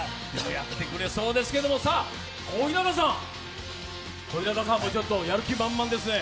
やってくれそうですけども、小日向さんもやる気満々ですね。